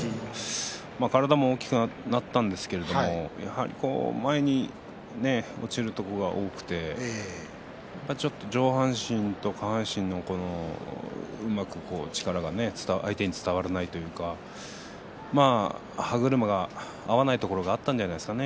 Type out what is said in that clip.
体も大きくなったんですけれどやはり前に落ちることが多くてちょっと上半身と下半身のうまく力が相手に伝わらないというか歯車が合わないところがあったんじゃないですかね